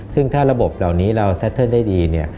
ซึ่งถ้าระบบเหล่านี้เราสะดวกได้ดี